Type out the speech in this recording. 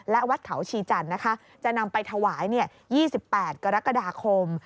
และวัดเขาชีจันทร์นะคะจะนำไปถวาย๒๘กรกฎาคม